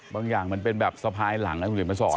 บางอย่างมันเป็นแบบสะพายหลังและสุดลิมประสอร์ต